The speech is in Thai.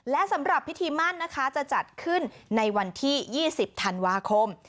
และสำหรับพิธีมั่นนะคะจะจัดขึ้นในวันที่๒๐ธันวาคม